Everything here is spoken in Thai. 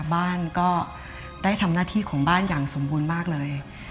บ้านก็ได้ทำหน้าที่ของบ้านอย่างสมบูรณ์มากเลย